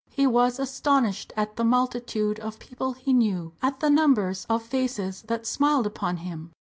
He was astonished at the multitude of people he knew, at the numbers of faces that smiled upon him.